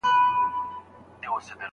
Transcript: ښایي ډاکټر اوږده پاڼه ړنګه کړي.